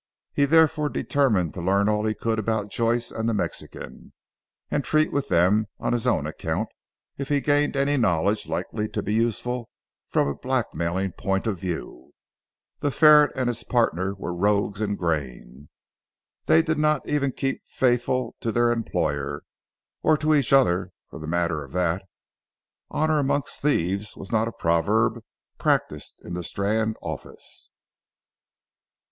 He therefore determined to learn all he could about Joyce and the Mexican, and treat with them on his own account if he gained any knowledge likely to be useful from a blackmailing point of view. The ferret and his partner were rogues in grain. They did not even keep faithful to their employer, or to each other for the matter of that. "Honour amongst thieves" was not a proverb practised in the Strand office.